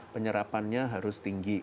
penyerapannya harus tinggi